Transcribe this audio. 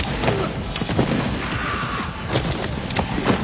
あ！